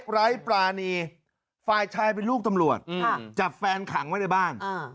ร้ายปรานีฟ้ายชายเป็นลูกตำรวจอืมจับแฟนขังไว้ในบ้านอืม